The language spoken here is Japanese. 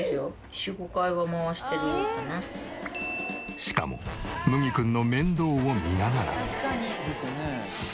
しかも麦くんの面倒を見ながら。